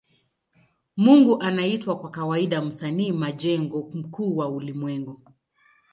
Mungu anaitwa kwa kawaida Msanii majengo mkuu wa ulimwengu.